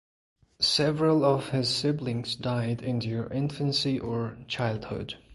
Several of his siblings died in their infancy or childhood.